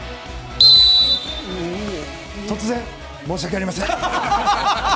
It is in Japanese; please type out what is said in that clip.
突然、申し訳ありません。